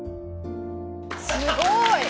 すごい！